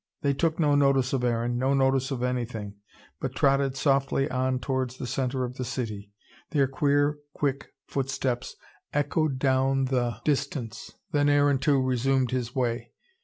They took no notice of Aaron, no notice of anything, but trotted softly on towards the centre of the city. Their queer, quick footsteps echoed down the distance. Then Aaron too resumed his way.